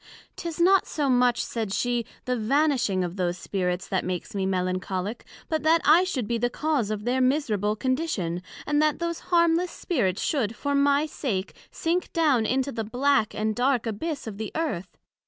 'Tis not so much, said she, the vanishing of those Spirits that makes me Melancholick, but that I should be the cause of their miserable condition, and that those harmless Spirits should, for my sake, sink down into the black and dark abyss of the Earth.